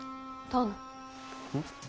うん？